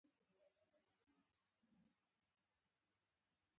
د اکثرو په نظر دوی سم کسان نه وو.